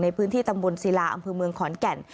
ในพื้นที่ตำบลโซมอำพจังหวังเมืองขอนแก่น